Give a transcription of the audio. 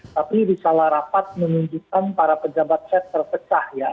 tapi risalah rapat menunjukkan para pejabat set terpecah ya